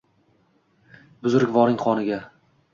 Buzrukvoring qoniga.